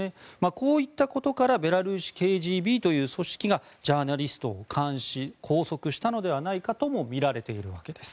こういったことからベラルーシＫＧＢという組織がジャーナリストを監視・拘束したのではないかともみられているわけです。